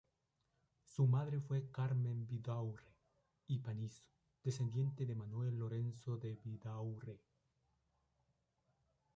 Su madre fue Carmen Vidaurre y Panizo, descendiente de Manuel Lorenzo de Vidaurre.